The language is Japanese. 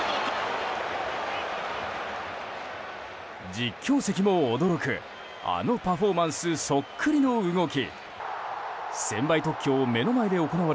実況席も驚くあのパフォーマンスそっくりの動き。